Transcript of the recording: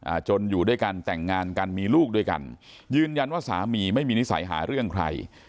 จนอยู่ด้วยกันแต่งงานกันมีลูกด้วยกันยืนยันว่าสามีไม่มีนิสัยหาเรื่องใคร